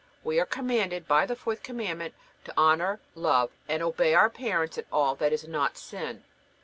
We are commanded by the fourth Commandment to honor, love, and obey our parents in all that is not sin.